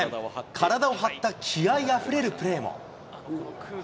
体を張った気合いあふれるプレーも。